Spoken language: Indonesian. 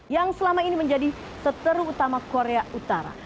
yang selama ini menjadi seteru utama korea utara